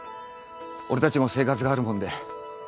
俺たちも生活があるもんで。